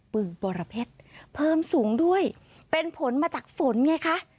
ึงบรเพชรเพิ่มสูงด้วยเป็นผลมาจากฝนไงคะ